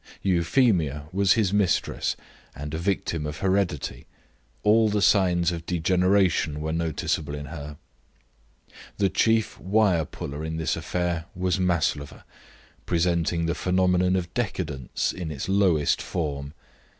Euphemia was his mistress, and a victim of heredity; all the signs of degeneration were noticeable in her. The chief wire puller in this affair was Maslova, presenting the phenomenon of decadence in its lowest form.